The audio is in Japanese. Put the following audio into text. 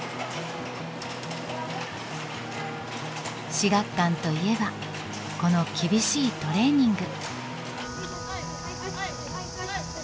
至学館といえばこの厳しいトレーニング。